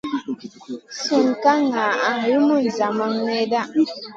Sun ka nga lumu zamang nèda.